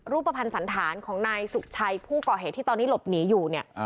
รูปภัณฑ์สันธารของนายสุขชัยผู้ก่อเหตุที่ตอนนี้หลบหนีอยู่เนี่ย